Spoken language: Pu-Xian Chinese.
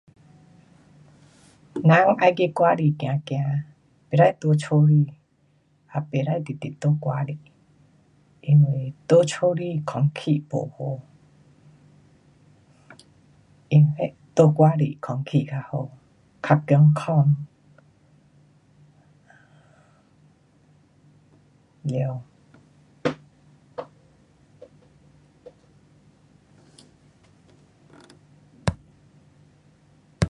人要去外里走走，不可在家里。也不可直直在外里。因为在家里空气不好。在外里空气较好。较健康。了